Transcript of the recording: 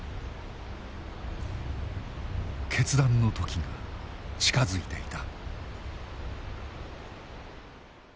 決断の時が近づいていた。